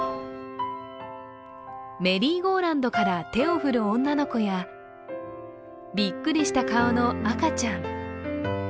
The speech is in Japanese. メリーゴーラウンドから手を振る女の子やびっくりした顔の赤ちゃん。